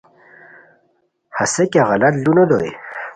ہسے کیہ غلط لو نو دوئے